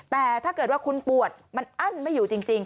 แต่ถ้าเกิดว่าคุณปวดมันอั้นไม่อยู่จริง